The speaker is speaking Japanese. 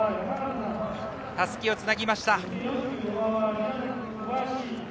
たすきをつなぎました。